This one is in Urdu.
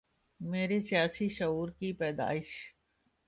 میرے سیاسی شعور کی پیدائش